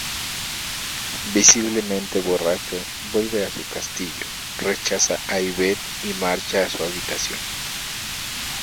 Visiblemente borracho, vuelve a su castillo, rechaza a Yvette y marcha a su habitación.